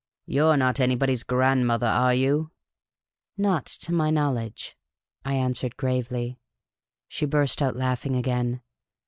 Vou 're not anybody's grandmother, are you ?"" Not to my knowledge," I answered, gravely. She burst out laughing again.